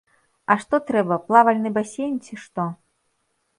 А што трэба, плавальны басейн, ці што?